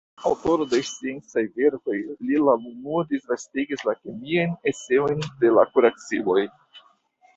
Aŭtoro de sciencaj verkoj, li la unua disvastigis la kemiajn eseojn pri la kuraciloj.